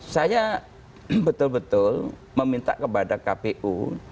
saya betul betul meminta kepada kpu